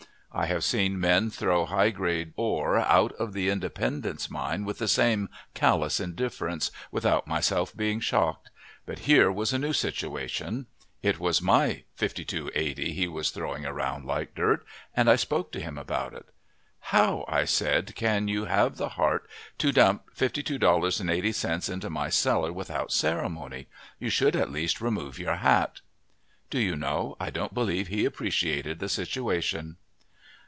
I have seen men throw high grade ore out of the Independence mine with the same callous indifference, without myself being shocked; but here was a new situation. It was my $52.80 he was throwing around like dirt, and I spoke to him about it. "How," I said, "can you have the heart to dump $52.80 into my cellar without ceremony? You should at least remove your hat." Do you know, I don't believe he appreciated the situation.